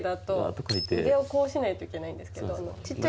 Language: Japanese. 筆をこうしないといけないんですけど。